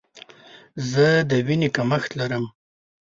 زه د ویني کمښت لرم.